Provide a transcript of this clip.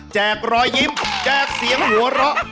รอยยิ้มแจกเสียงหัวเราะ